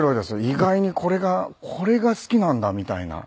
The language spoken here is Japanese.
意外にこれが好きなんだみたいな。